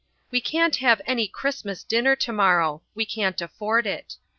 We can't have any Christmas dinner tomorrow we can't afford it.